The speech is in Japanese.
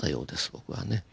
僕はね。